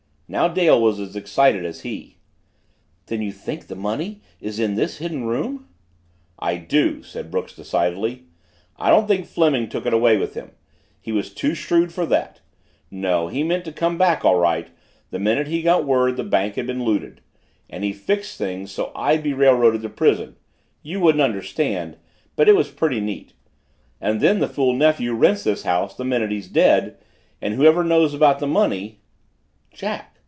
'" Now Dale was as excited as he. "Then you think the money is in this hidden room?" "I do," said Brooks decidedly. "I don't think Fleming took it away with him. He was too shrewd for that. No, he meant to come back all right, the minute he got the word the bank had been looted. And he'd fixed things so I'd be railroaded to prison you wouldn't understand, but it was pretty neat. And then the fool nephew rents this house the minute he's dead, and whoever knows about the money " "Jack!